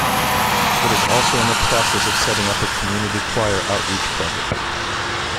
It is also in the process of setting up a community choir outreach project.